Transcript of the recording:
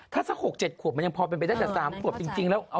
ถ้าสักหกเจ็ดขวบมันยังพอเป็นไปแต่สามขวบจริงแล้ว